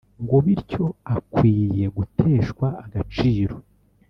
ngo bityo akwiye guteshwa agaciro